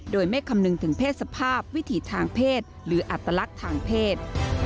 โดยไม่คำนึงถึงเพศสภาพวิถีทางเพศหรืออัตลักษณ์ทางเพศ